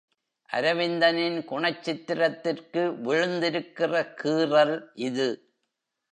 அரவிந்தனின் குணச்சித்திரத்திற்கு விழுந்திருக்கிற கீறல் இது.